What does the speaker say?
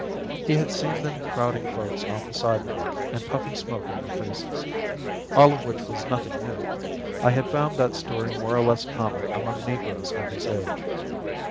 He had seen them crowding folks off the sidewalk, and puffing smoke in their faces. All of which was nothing new; I had found that story more or less common among negroes of his age.